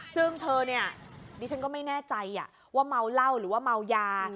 ซึ่งเธอเนี่ยดิฉันก็ไม่แน่ใจว่าเมาเหล้าหรือว่าเมายา